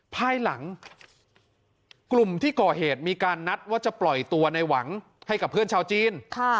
ภายหลังกลุ่มที่ก่อเหตุมีการนัดว่าจะปล่อยตัวในหวังให้กับเพื่อนชาวจีน